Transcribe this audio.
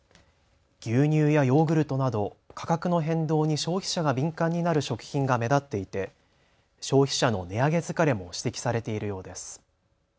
牛乳やヨーグルトなど価格の変動に消費者が敏感になる食品が目立っていて消費者の値上げ疲れも指摘されているようです。